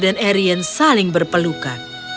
dan arion saling berpelukan